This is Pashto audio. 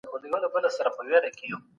ډاکټران د ناروغانو د رنځ لامل معلوموي.